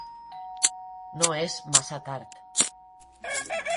No és massa tard.